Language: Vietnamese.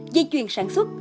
dây chuyền sản xuất